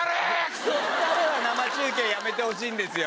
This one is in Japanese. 「クソったれ」は生中継やめてほしいんですよ。